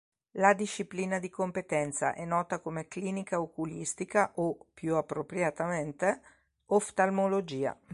La disciplina di competenza è nota come Clinica oculistica o, più appropriatamente, oftalmologia.